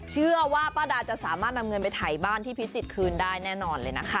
เชื่อว่าป้าดาจะสามารถนำเงินไปถ่ายบ้านที่พิจิตรคืนได้แน่นอนเลยนะคะ